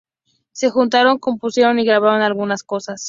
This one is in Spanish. Se juntaron, compusieron y grabaron algunas cosas.